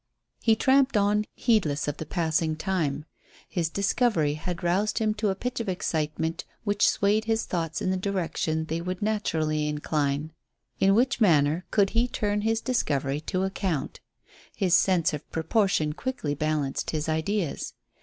He tramped on heedless of the passing time. His discovery had roused him to a pitch of excitement which swayed his thoughts in the direction they would naturally incline. In what manner could he turn his discovery to account? His sense of proportion quickly balanced his ideas.